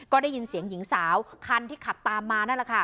ก็ได้ยินเสียงหญิงสาวคันที่ขับตามมานั่นแหละค่ะ